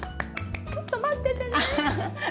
ちょっと待っててね。